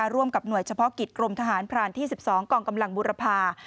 ร่วมกับหน่วยเฉพาะกิจกรมทหารพรานที่๑๒กองกำลังบุรพา